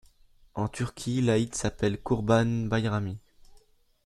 En Turquie l'aïd s'appelle kurban bayramı.